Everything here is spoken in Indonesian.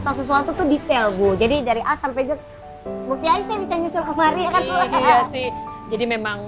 tahu sesuatu detail bu jadi dari asam pejat bukti aja bisa nyusul kemarin jadi memang